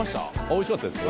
おいしかったです。